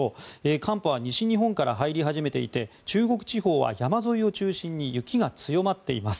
寒波は西日本から入り始めていて中国地方は山沿いを中心に雪が強まっています。